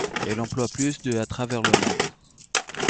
Elle emploie plus de à travers le monde.